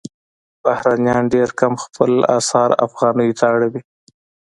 بهرنیان ډېر کم خپل اسعار افغانیو ته اړوي.